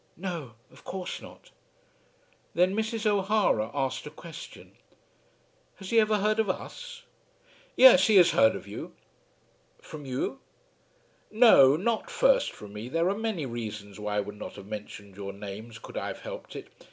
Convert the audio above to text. "No; of course not." Then Mrs. O'Hara asked a question. "Has he ever heard of us?" "Yes; he has heard of you." "From you?" "No; not first from me. There are many reasons why I would not have mentioned your names could I have helped it.